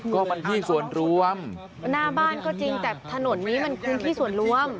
ก็มันที่ส่วนรวมหน้าบ้านก็จริงแต่ถนนนี้มันพื้นที่ส่วนรวม